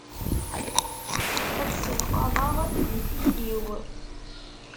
Ad selqaḍeɣ di tikti-w.